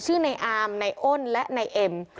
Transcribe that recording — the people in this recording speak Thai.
ชื่อในอามในอ้นและนายเอ็ม